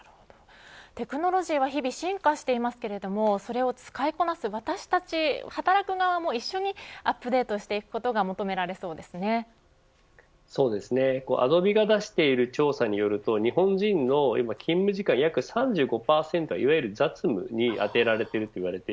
テクノロジーは日々進化していますがそれを使いこなす私たち働く側も一緒にアップデートしていくことがＡｄｏｂｅが出している調査によると日本人の勤務時間の約３５％はいわゆる雑務に充てられています。